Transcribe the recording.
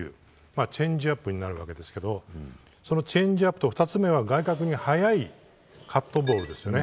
チェンジアップになるわけですがそのチェンジアップ２つ目は外角に速いカットボールですよね。